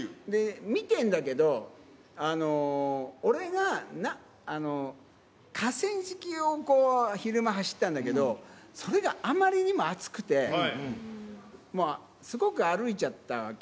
見てんだけど、俺が河川敷を昼間、走ったんだけど、それがあまりにも暑くて、すごく歩いちゃったわけ。